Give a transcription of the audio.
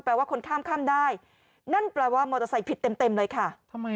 ว่าคนข้ามข้ามได้นั่นแปลว่ามอเตอร์ไซค์ผิดเต็มเลยค่ะ